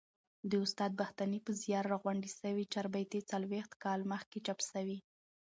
د استاد بختاني په زیار راغونډي سوې چاربیتې څلوبښت کال مخکي چاپ سوې.